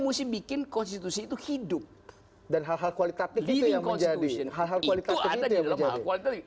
maksudnya hal hal kualitatif itu yang menjadi